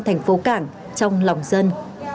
thành phố cảng trong lòng dân